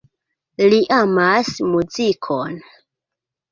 Li amas muzikon.